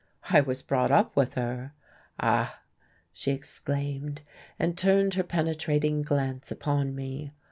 "I was brought up with her." "Ah!" she exclaimed, and turned her penetrating glance upon me.